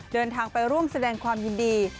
เดินทางไปร่วมแสดงความยินดี